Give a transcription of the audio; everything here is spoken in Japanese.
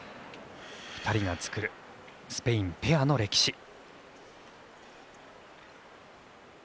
２人が作るスペインペアの歴史。